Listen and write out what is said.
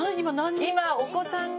今お子さんが？